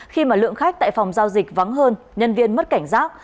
khi mà lượng khách tại phòng giao dịch vắng hơn nhân viên mất cảnh giác